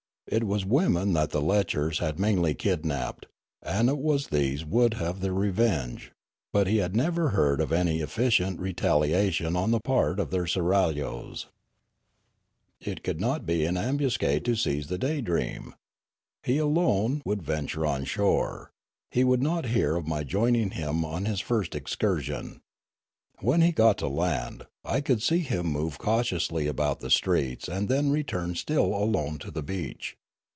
It was women that the lechers had mainly kidnapped, and it was these would have their revenge ; but he had never heard of any efficient retaliation on the part of their seraglios. 4H Riallaro It could !iot be an ambuscade to seize the Daydream ? He alone would venture on shore ; he would not hear of my joining him on his first excursion. When he got to land, I could see him move cautiously about the streets and then return still alone to the beach.